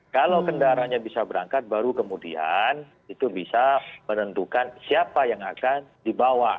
kalau kendaraannya bisa berangkat baru kemudian itu bisa menentukan siapa yang akan dibawa